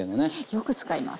よく使います。